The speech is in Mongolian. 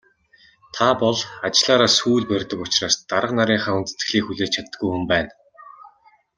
Та бол ажлаараа сүүл барьдаг учраас дарга нарынхаа хүндэтгэлийг хүлээж чаддаггүй хүн байна.